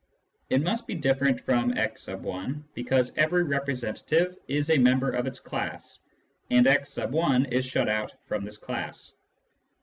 It must be different from x lf because every representative is a member of its class, and x 1 is shut out from this class.